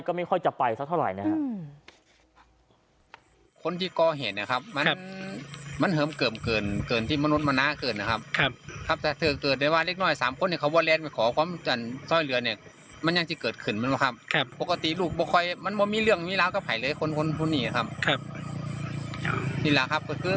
ก็ไม่ค่อยจะไปสักเท่าไหร่นะครับ